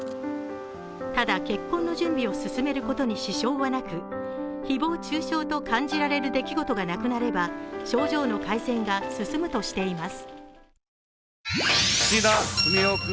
ただ、結婚の準備を進めることに支障はなく誹謗中傷と感じられる出来事がなくなれば症状の改善が進むとしています。